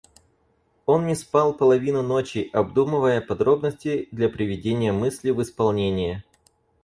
Он не спал половину ночи, обдумывая подробности для приведения мысли в исполнение.